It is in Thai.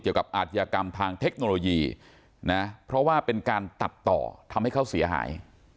อาชญากรรมทางเทคโนโลยีนะเพราะว่าเป็นการตัดต่อทำให้เขาเสียหาย